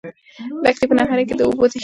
لښتې په نغري کې د اوبو د اېشېدو ننداره کوله.